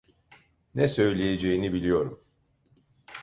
Ne söyleyeceğini biliyorum…